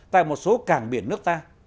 tại một số cảng biển nước ta